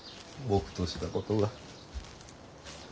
僕としたことが。